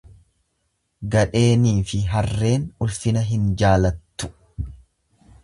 Gadheeniif harreen ulfina hin jaalattu.